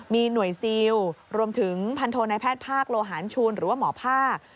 มีหน่วยซิลรวมถึงพันโทนายแพทย์ภาคโลหารชูนหรือว่าหมอภาค